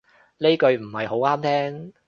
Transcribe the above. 呢句唔係好啱聽